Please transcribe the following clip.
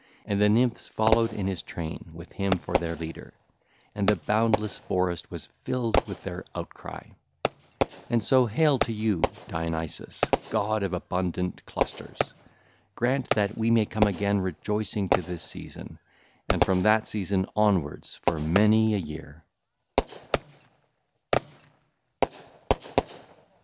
And the Nymphs followed in his train with him for their leader; and the boundless forest was filled with their outcry. (ll. 10 13) And so hail to you, Dionysus, god of abundant clusters! Grant that we may come again rejoicing to this season, and from that season onwards for many a year.